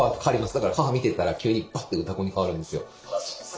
だから母見てたら急にバッと「うたコン」に替わるんですよ。